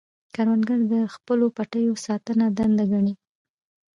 کروندګر د خپلو پټیو ساتنه دنده ګڼي